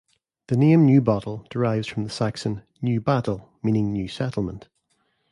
The name Newbottle derives from the Saxon 'New Battle' meaning 'new settlement'.